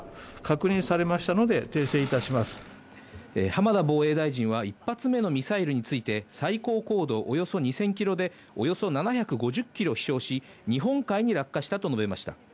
浜田防衛大臣は１発目のミサイルについて最高高度およそ２０００キロでおよそ７５０キロ飛翔し、日本海に落下したと述べました。